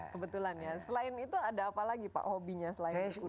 kebetulan ya selain itu ada apa lagi pak hobinya selain berkuda